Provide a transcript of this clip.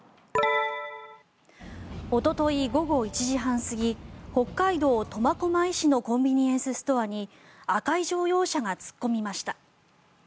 おととい午後１時半過ぎ北海道苫小牧市のコンビニエンスストアに赤い乗用車が突っ込みました。